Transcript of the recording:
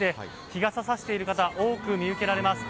日傘さしている方多く見受けられます。